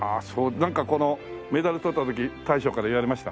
なんかこのメダル取った時大将から言われました？